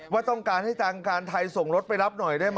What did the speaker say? ว่าต้องการให้ทางการไทยส่งรถไปรับหน่อยได้ไหม